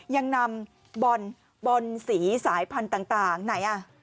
ยังนำบ่นสีสายพันธุ์ต่างไหน